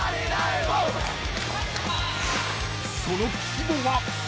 ［その規模は］